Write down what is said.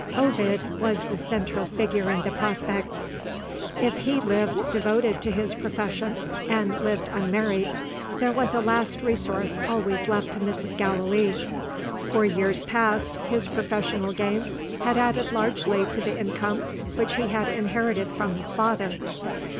Ovid was the central figure in the prospect. If he lived devoted to his profession, and lived unmarried, there was a last resource always left to Mrs. Gallilee. For years past, his professional gains had added largely to the income which he had inherited from his father.